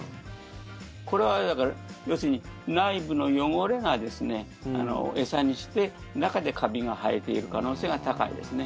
これは、要するに内部の汚れを餌にして中でカビが生えている可能性が高いですね。